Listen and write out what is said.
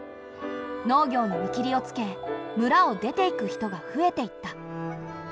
農業に見切りをつけ村を出ていく人が増えていった。